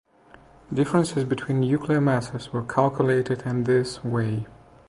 Differences between nuclear masses were calculated in this way.